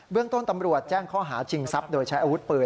เรื่องต้นตำรวจแจ้งข้อหาชิงทรัพย์โดยใช้อาวุธปืน